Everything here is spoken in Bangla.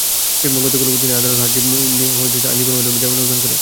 গতকাল বুধবার তিনি আদালতে হাজির হয়ে আইনজীবীর মাধ্যমে জামিন আবেদন করেন।